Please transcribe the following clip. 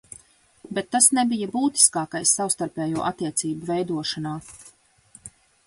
Bet tas nebija būtiskākais savstarpējo attiecību veidošanā.